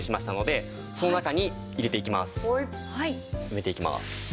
埋めていきます。